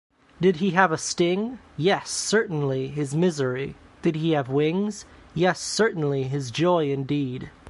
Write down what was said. Did he have a sting? Yes, certainly, his misery; did he have wings? Yes, certainly, his joy indeed.